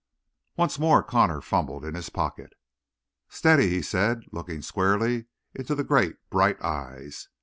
Once more Connor fumbled in his pocket. "Steady," he said, looking squarely into the great, bright eyes.